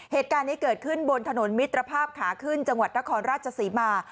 เหตุการณ์นี้เกิดขึ้นบนถนนมิตรภาพขาขึ้นจังหวัดนครราชศรีมา